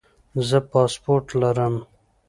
زه پاسپورټ لرم